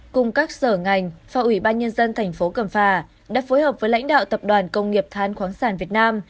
cùng các sở ngành và ủy ban nhân dân thành phố cẩm phà đã phối hợp với lãnh đạo tập đoàn công nghiệp than khoáng sản việt nam